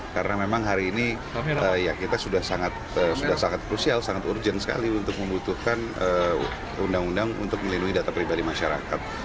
karena memang hari ini kita sudah sangat krusial sangat urgent sekali untuk membutuhkan undang undang untuk melindungi data pribadi masyarakat